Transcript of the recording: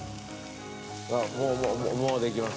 もうもうもうできますよ。